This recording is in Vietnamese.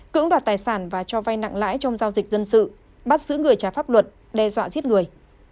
cưỡng đoạt tài sản và cho vay nặng lãi trong giao dịch dân sự bắt giữ người trái pháp luật đe dọa giết người